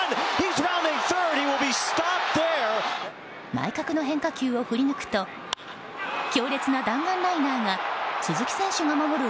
内角の変化球を振り抜くと強烈な弾丸ライナーが鈴木選手が守る